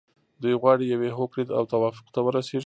دوی غواړي یوې هوکړې او توافق ته ورسیږي.